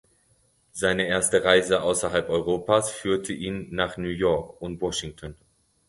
Seine erste Reise außerhalb Europas führte ihn nach New York und Washington.